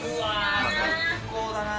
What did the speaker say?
最高だな。